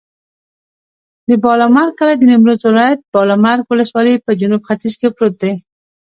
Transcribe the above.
د بالامرګ کلی د نیمروز ولایت، بالامرګ ولسوالي په جنوب ختیځ کې پروت دی.